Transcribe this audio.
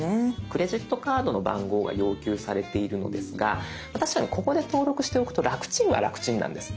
クレジットカードの番号が要求されているのですが確かにここで登録しておくと楽ちんは楽ちんなんです。